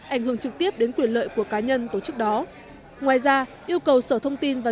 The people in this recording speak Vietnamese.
ảnh hưởng trực tiếp đến quyền lợi của cá nhân tổ chức đó ngoài ra yêu cầu sở thông tin và